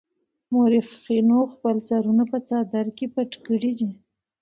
مورخينو خپل سرونه په څادر کې پټ کړي دي.